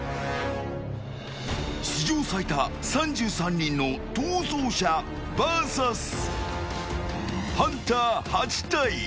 史上最多３３人の逃走者ＶＳハンター８体。